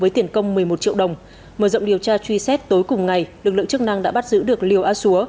với tiền công một mươi một triệu đồng mở rộng điều tra truy xét tối cùng ngày lực lượng chức năng đã bắt giữ được liều a xúa